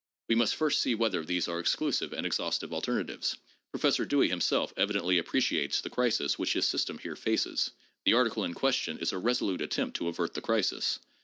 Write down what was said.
We must first see whether these are exclusive and exhaustive alternatives. Professor Dewey himself evidently appreciates the crisis which his system here faces. The article in question is a resolute attempt to avert the crisis.